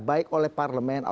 baik oleh parlementari